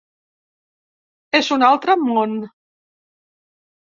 És un altre món.